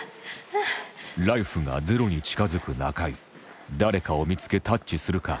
ライフがゼロに近づく中井誰かを見つけタッチするか？